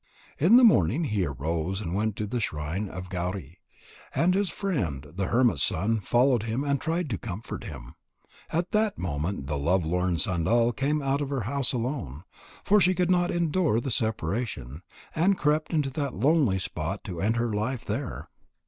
In the morning he arose and went to the shrine of Gauri. And his friend, the hermit's son, followed him and tried to comfort him. At that moment the lovelorn Sandal came out of her house alone, for she could not endure the separation, and crept to that lonely spot to end her life there.